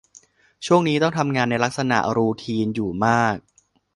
ช่วงนี้ต้องทำงานในลักษณะรูทีนอยู่มาก